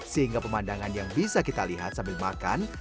sehingga pemandangan yang bisa kita lihat sambil makan